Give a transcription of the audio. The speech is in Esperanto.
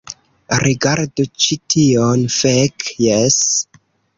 Rigardu ĉi tion. Fek, jes.